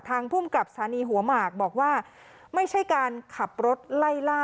ภูมิกับสถานีหัวหมากบอกว่าไม่ใช่การขับรถไล่ล่า